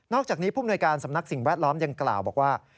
อกจากนี้ผู้มนวยการสำนักสิ่งแวดล้อมยังกล่าวบอกว่า